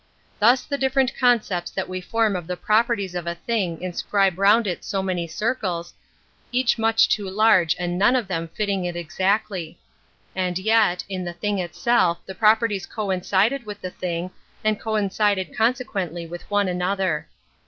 Thus the different concepts that we form of the properties of a thing inscribe round it so many circles, each much too large and none of them fitting it exactly. And yet, in the thing itself the properties coincided with the thing, and coincided consequently with one another.